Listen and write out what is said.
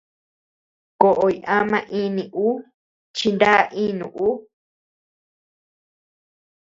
Koʼoy ama ini ú chi na inu ú.